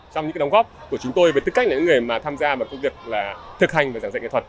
trong những cái đóng góp của chúng tôi với tư cách là những người mà tham gia vào công việc là thực hành và giảng dạy nghệ thuật